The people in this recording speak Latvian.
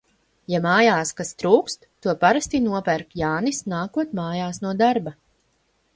Ja mājās kas trūkst, to parasti nopērk Jānis, nākot mājās no darba.